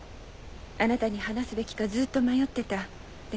あなたに話すべきかずっと迷ってたでも。